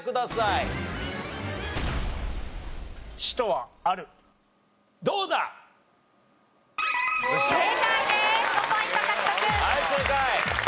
はい正解！